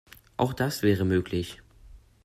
Auch das wäre möglich.